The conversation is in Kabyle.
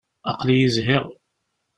Aql-iyi zhiɣ.